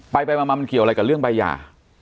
ไปมามันเกี่ยวอะไรกับเรื่องใบหย่า